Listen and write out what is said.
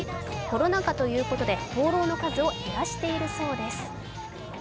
コロナ禍ということで灯籠の数を減らしているそうです。